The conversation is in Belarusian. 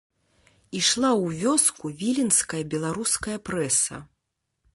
Ішла ў вёску віленская беларуская прэса.